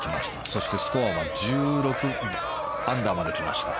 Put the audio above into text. そして、スコアは１６アンダーまで来ました。